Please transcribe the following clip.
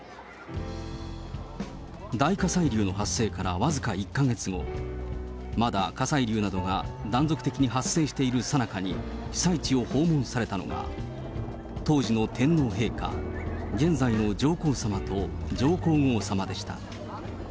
大火砕流の発生から僅か１か月後、まだ火砕流などが断続的に発生しているさなかに、被災地を訪問されたのが、当時の天皇陛下、現在の上皇さまと上皇后さまでした。